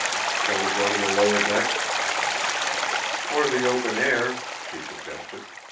"Shall we go to the lower decks?" "Or the open air," she suggested.